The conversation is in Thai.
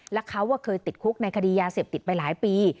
และเขาเคยติดคุกในคดียาเสพติดไปหลายปี